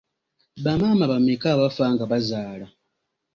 Bamaama bameka abafa nga bazaala?